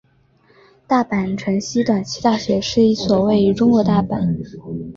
大阪成蹊短期大学是一所位于日本大阪府大阪市东淀川区的私立短期大学。